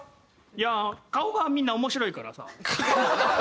いや顔がみんな面白いからさ。